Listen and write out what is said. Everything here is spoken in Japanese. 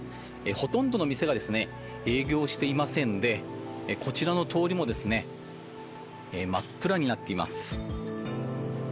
ほとんどの店が営業していませんでこちらの通りも真っ暗になっています。